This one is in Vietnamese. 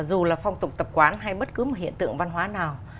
dù là phong tục tập quán hay bất cứ một hiện tượng văn hóa nào